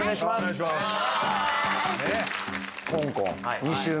お願いしまーす